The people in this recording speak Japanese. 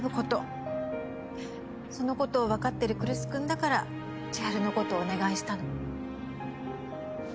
そのことをわかってる来栖君だから千晴のことお願いしたの。